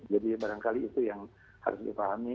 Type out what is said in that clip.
jadi barangkali itu yang harus dipahami